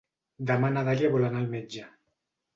Demà na Dàlia vol anar al metge.